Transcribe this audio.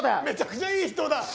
めちゃくちゃいい人だ！